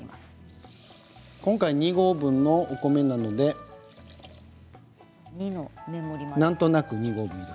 今回、２合分のお米なのでなんとなく２合分。